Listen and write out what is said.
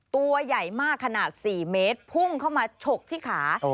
ตัวใหญ่มากขนาด๔เมตรพุ่งเข้ามาฉกที่ขา